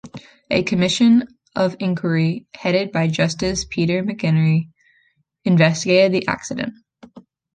A Commission of Inquiry headed by Justice Peter McInerny investigated the accident.